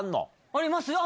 ありますよ。